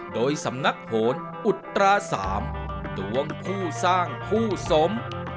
โดยสำนักผลอุตราสามตรวงผู้สร้างผู้สม